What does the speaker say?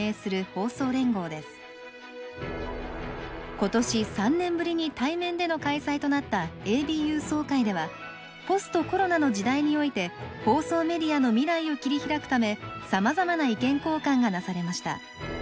今年３年ぶりに対面での開催となったＡＢＵ総会ではポストコロナの時代において放送メディアの未来を切り開くためさまざまな意見交換がなされました。